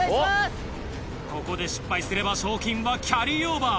ここで失敗すれば賞金はキャリーオーバー。